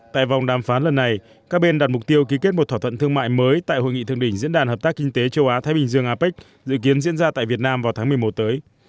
tại vòng đàm phán lần này các bên đặt mục tiêu ký kết một thỏa thuận thương mại mới tại hội nghị thượng đỉnh diễn đàn hợp tác kinh tế châu á thái bình dương apec dự kiến diễn ra tại việt nam vào tháng một mươi một tới